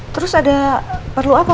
terus ada perlu apa